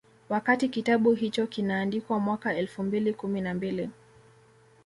Wakati kitabu hicho kinaandikwa mwaka elfu mbili kumi na mbili